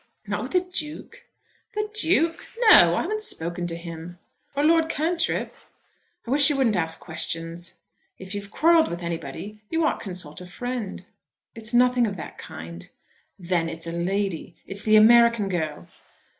"Not with the Duke?" "The Duke! No; I haven't spoken to him." "Or Lord Cantrip?" "I wish you wouldn't ask questions." "If you've quarrelled with anybody you ought to consult a friend." "It's nothing of that kind." "Then it's a lady. It's the American girl!"